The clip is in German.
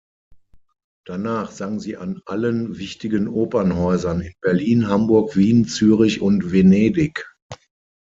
Danach sang sie an allen wichtigen Opernhäusern in Berlin, Hamburg, Wien, Zürich und Venedig.